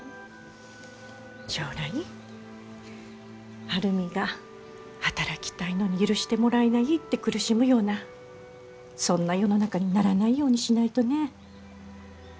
将来晴海が働きたいのに許してもらえないって苦しむようなそんな世の中にならないようにしないとね。